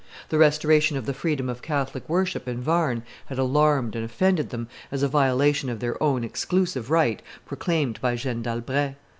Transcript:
The restoration of the freedom of Catholic worship in Warn had alarmed and offended them as a violation of their own exclusive right proclaimed by Jeanne d'Albret.